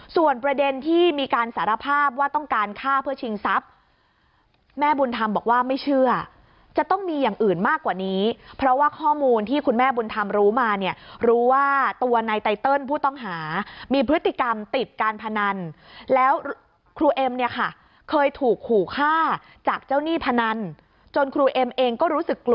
ส่วนประเด็นที่มีการสารภาพว่าต้องการฆ่าเพื่อชิงทรัพย์แม่บุญธรรมบอกว่าไม่เชื่อจะต้องมีอย่างอื่นมากกว่านี้เพราะว่าข้อมูลที่คุณแม่บุญธรรมรู้มาเนี่ยรู้ว่าตัวในไตเติลผู้ต้องหามีพฤติกรรมติดการพนันแล้วครูเอ็มเนี่ยค่ะเคยถูกขู่ฆ่าจากเจ้าหนี้พนันจนครูเอ็มเองก็รู้สึกกลัว